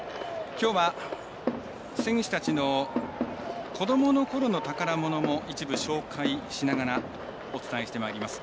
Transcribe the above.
きょうは、選手たちの子どもの頃の宝物も一部紹介しながらお伝えしてまいります。